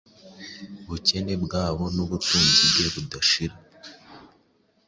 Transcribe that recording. ubukene bwabo n’ubutunzi bwe budashira.